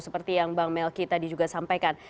seperti yang bang melki tadi juga sampaikan